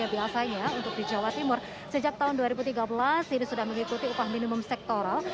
biasanya untuk di jawa timur sejak tahun dua ribu tiga belas ini sudah mengikuti upah minimum sektoral